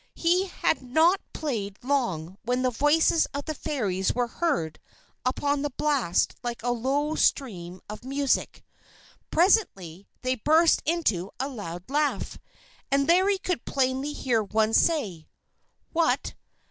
He had not played long when the voices of the Fairies were heard upon the blast like a low stream of music. Presently they burst into a loud laugh, and Larry could plainly hear one say: "What!